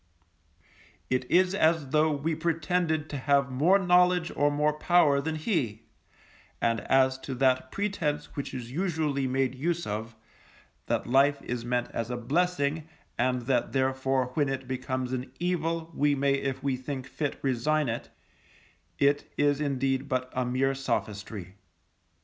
It is as though we pretended to have more knowledge or more power than he; and as to that pretence which is usually made use of, that Life is meant as a blessing, and that therefore when it becomes an evil, we may if we think fit resign it, it is indeed but a mere sophistry.